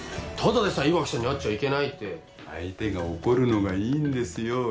ただでさえ岩城さんに会っちゃいけないって相手が怒るのがいいんですよ